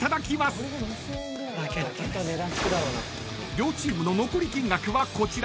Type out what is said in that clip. ［両チームの残り金額はこちら］